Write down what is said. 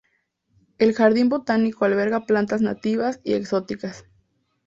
El jardín botánico alberga plantas nativas y exóticas.